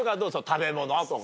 食べ物とか。